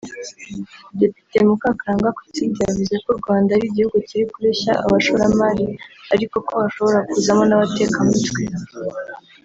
Depite Mukakarangwa Clotilde yavuze ko u Rwanda ari igihugu kiri kureshya abashoramari ariko ko hashobora kuzamo n’abatekamitwe